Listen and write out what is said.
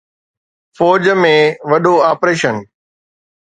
فوج ۾ وڏو آپريشن